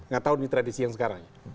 gak tau ini tradisi yang sekarang